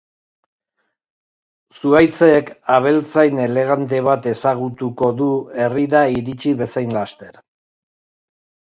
Zuhaitzek abeltzain elegante bat ezagutuko du herrira iritsi bezain laster.